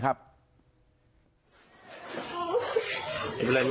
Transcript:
ใครจะร้อง